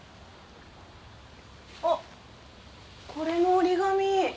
あっこれも折り紙。